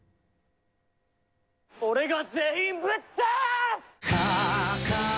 俺が全員ぶっ倒す！